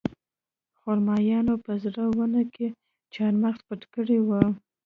خرمایانو په زړه ونه کې چارمغز پټ کړي وو